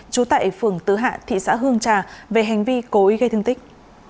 trú tại phường tứ hạ thị xã hương trà về hành vi cố ý gây thương tích